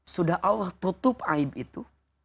sudah allah tutup aib itu